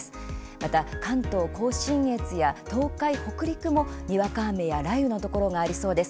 また関東甲信越や東海北陸もにわか雨や雷雨のところがありそうです。